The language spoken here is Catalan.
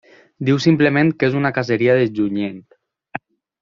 Diu simplement que és una caseria de Junyent.